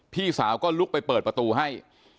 พี่สาวก็ลุกไปเปิดประตูให้